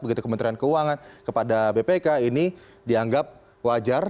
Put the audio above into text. begitu kementerian keuangan kepada bpk ini dianggap wajar